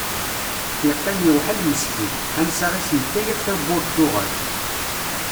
Yeqqim yewḥel meskin, ansa i s-yekka yaf tawwurt tuɣal.